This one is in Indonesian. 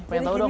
pengen tau dong